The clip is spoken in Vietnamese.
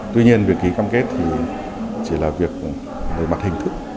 tuy nhiên việc ký cam kết thì chỉ là việc về mặt hình thức